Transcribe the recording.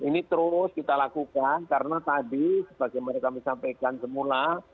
ini terus kita lakukan karena tadi sebagai mereka menyampaikan semula